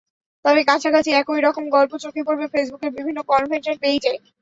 তবে কাছাকাছি একই রকম গল্প চোখে পড়বে ফেসবুকের বিভিন্ন কনফেশন পেইজে।